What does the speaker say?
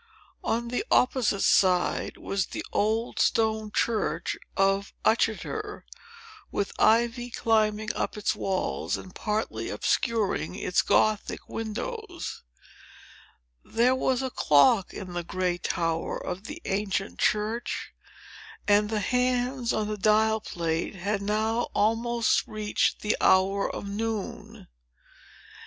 On the opposite side was the old stone church of Uttoxeter, with ivy climbing up its walls, and partly obscuring its Gothic windows. There was a clock in the gray tower of the ancient church; and the hands on the dial plate had now almost reached the hour of noon.